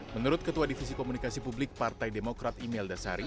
menurut ketua divisi komunikasi publik partai demokrat imel dasari